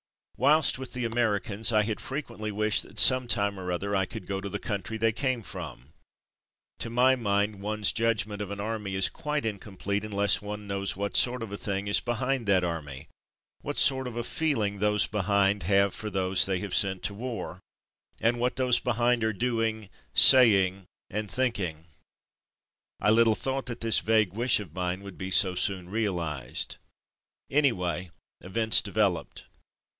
Whilst with the Americans I had frequently wished that sometime or other I could go to the country they came from. To my mind, one's judg ment of an army is quite incomplete unless one knows what sort of a thing is behind that army, what sort of a feeling those behind have for those they have sent to war, and 292 From Mud to Mufti what those behind are doing, saying, and thinking. I Httle thought that this vague wish of mine would be so soon reahzed. Anyway, events developed.